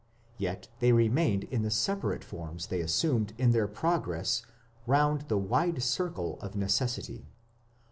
Yet they remained in the separate forms they assumed in their progress round "the wide circle of necessity".